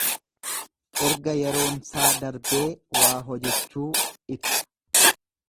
Erga yeroonsaa darbee waa hojechuu ibsa.